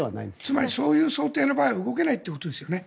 つまりそういう想定の場合動けないということですよね。